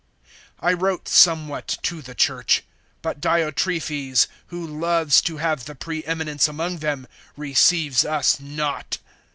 (9)I wrote somewhat to the church; but Diotrephes, who loves to have the pre eminence among them, receives us not.